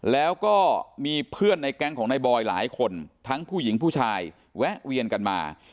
แล้วก็มีเพื่อนในแก๊งของนายบอยหลายคนทั้งผู้หญิงผู้ชายแวะเวียนกันมา